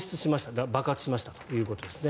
だから爆発しましたということですね。